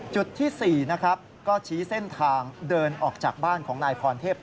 จุดที่๔นะครับก็ชี้เส้นทางเดินออกจากบ้านของนายพรเทพ